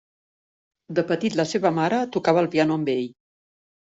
De petit la seva mare tocava el piano amb ell.